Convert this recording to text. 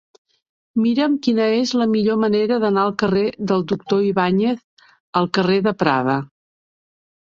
Mira'm quina és la millor manera d'anar del carrer del Doctor Ibáñez al carrer de Prada.